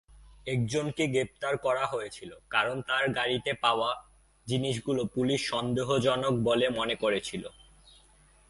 একজনকে গ্রেপ্তার করা হয়েছিল কারণ তার গাড়িতে পাওয়া জিনিসগুলি পুলিশ সন্দেহজনক বলে মনে করেছিল।